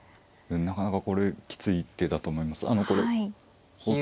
なかなかこれきつい一手だと思います。